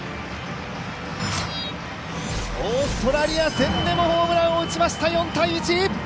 オーストラリア戦でもホームランを打ちました、４−１。